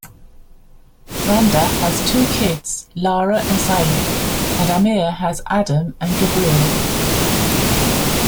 Randa has two kids Lara and Seif, and Amir has Adam and Gebriel.